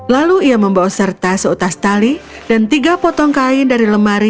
lalu ia membawa serta seutas tali dan tiga potong kain dari lemari dan memasukkan ke dalam kursi